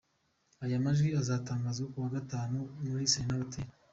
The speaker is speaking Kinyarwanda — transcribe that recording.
aya majwi azatangazwa kuwa Gatanu muri Serena Hotel.